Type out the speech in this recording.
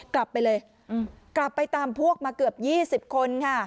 กลับไปเลยอืมกลับไปตามพวกมาเกือบยี่สิบคนค่ะ